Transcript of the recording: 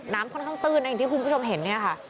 น้ำค่อนข้างตื้นนะอย่างที่คุณผู้ชมเห็นเนี่ยค่ะ